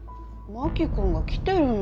真木君が来てるのに。